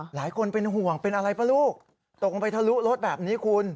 หลายคนเป็นห่วงเป็นอะไรป่ะลูกตกลงไปทะลุรถแบบนี้คุณ